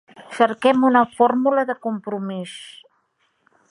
Cerquem una fórmula de compromís.